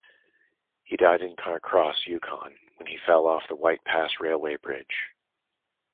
He died in Carcross, Yukon when he fell off the White Pass railway bridge.